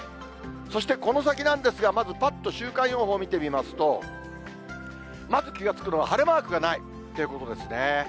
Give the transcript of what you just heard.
そして、この先なんですが、まずぱっと週間予報見てみますと、まず気が付くのは、晴れマークがないということですね。